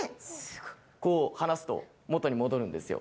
話すと元に戻るんですよ。